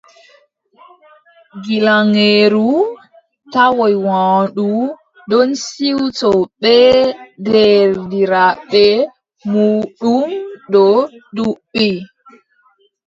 Gilaŋeeru tawoy waandu ɗon siwto bee deerɗiraaɓe muuɗum dow duɓɓi.